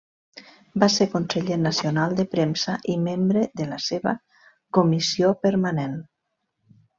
Va ser conseller nacional de Premsa i membre de la seva comissió permanent.